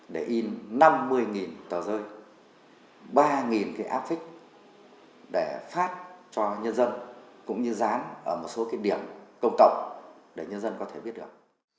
để in năm mươi tờ rơi ba cái áp phích để phát cho nhân dân cũng như dán ở một số cái điểm công cộng để nhân dân có thể biết được